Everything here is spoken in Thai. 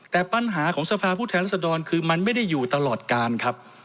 แต่ปัญหาของสภาพผู้แทนรัศดรคือมันไม่ได้อยู่ตลอดการครับ